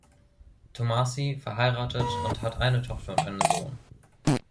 Tommasi, verheiratet und hat eine Tochter und einen Sohn.